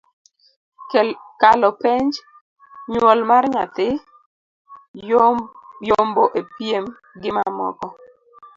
kalo penj, nywol mar nyathi, yombo e piem gimamoko